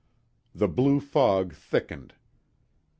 The blue fog thickened.